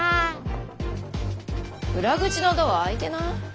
裏口のドア開いてない？